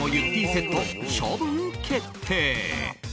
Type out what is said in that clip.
セット処分決定。